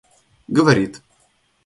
говорит